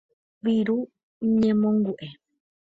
Viru ñemongu'e.